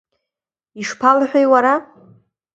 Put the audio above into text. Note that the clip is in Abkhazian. Ишԥалҳәеи, уара?